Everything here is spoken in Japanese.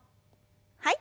はい。